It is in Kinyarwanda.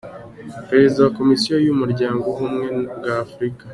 Perezida wa Komisiyo y’Umuryango w’Ubumwe bwa Afurika,